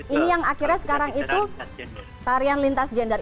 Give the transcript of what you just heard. ini yang akhirnya sekarang itu tarian lintas gender